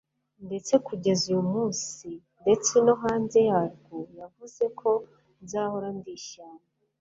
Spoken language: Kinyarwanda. ndetse kugeza uyu munsi ndetse no hanze yarwo, yavuze ko nzahora ndi ishyamba